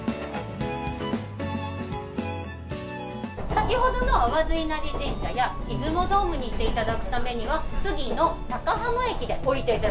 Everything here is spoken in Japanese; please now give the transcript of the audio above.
先ほどの粟津稲生神社や出雲ドームに行って頂くためには次の高浜駅で降りて頂きます。